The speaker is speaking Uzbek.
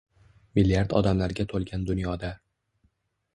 Milliard odamlarga to‘lgan dunyoda